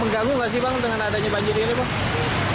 bang mengganggu gak sih dengan adanya banjir ini pak